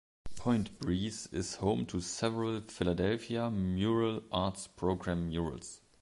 Point Breeze is home to several Philadelphia Mural Arts Program murals.